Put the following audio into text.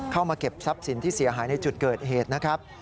เข้ามาเก็บทรัพย์สินที่เสียหายในจุดเกิดเหตุนะครับ